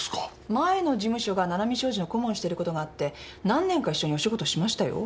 前の事務所が七海商事の顧問してることがあって何年か一緒にお仕事しましたよ。